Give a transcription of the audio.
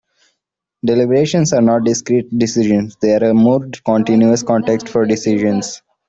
Deliberations are not discrete decisions--they are a more continuous context for decisions.